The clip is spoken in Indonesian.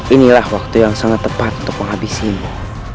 inilah waktu yang sangat tepat untuk menghabisinya